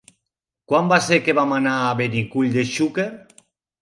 Quan va ser que vam anar a Benicull de Xúquer?